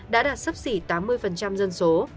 đã đạt sấp xỉ tám mươi dân số